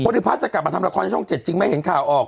ริพัฒน์จะกลับมาทำละครในช่อง๗จริงไม่เห็นข่าวออก